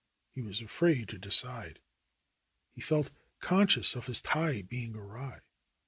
He was afraid to decide. He felt conscious of his tie being awry.